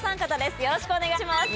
よろしくお願いします。